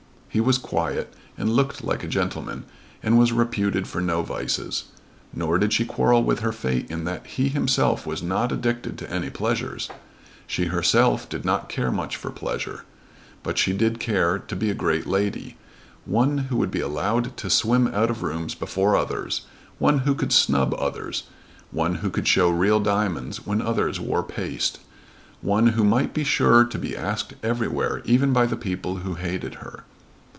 He was quiet, and looked like a gentleman, and was reputed for no vices. Nor did she quarrel with her fate in that he himself was not addicted to any pleasures. She herself did not care much for pleasure. But she did care to be a great lady, one who would be allowed to swim out of rooms before others, one who could snub others, one who could show real diamonds when others wore paste, one who might be sure to be asked everywhere even by the people who hated her.